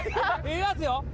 いますよ。